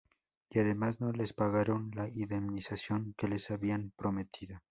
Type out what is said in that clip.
Y además no les pagaron la indemnización que les habían prometido.